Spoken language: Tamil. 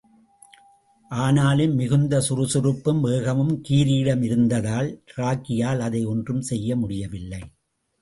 ஆனாலும், மிகுந்த சுறுசுறுப்பும், வேகமும் கீரியிடம் இருந்ததால் ராகியால் அதை ஒன்றும் செய்ய முடியவில்லை.